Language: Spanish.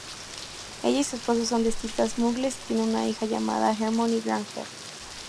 Ella y su esposo son dentistas muggles y tienen una hija llamada Hermione Granger.